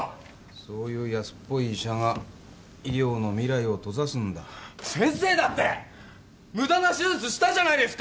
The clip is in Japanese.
そういう安っぽい医者が医療の未来を閉ざすんだ先生だってムダな手術したじゃないですか！